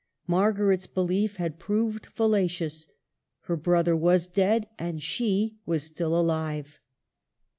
Mar garet's belief had proved fallacious : her brother was dead and she was still alive.